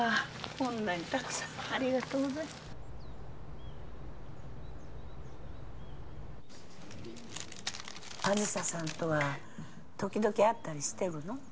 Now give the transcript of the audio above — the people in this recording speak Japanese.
こんなにたくさんありがとうございます梓さんとは時々会ったりしとるの？